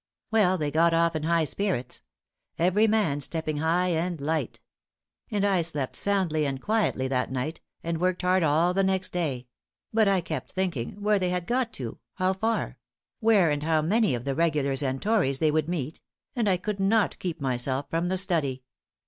"Well, they got off in high spirits; every man stepping high and light. And I slept soundly and quietly that night, and worked hard all the next day; but I kept thinking where they had got to how far; where and how many of the regulars and tories they would meet; and I could not keep myself from the study.